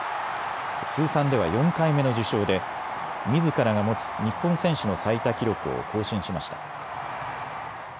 通算では４回目の受賞でみずからが持つ日本選手の最多記録を更新しました。